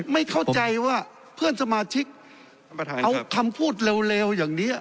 ไม่เข้าใจว่าเพื่อนสมาชิกท่านประธานครับเอาคำพูดเร็วเร็วอย่างนี้